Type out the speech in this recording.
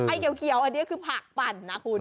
ไอ้เก๋วเขียวอันนี้คือผักปั่นนะคุณ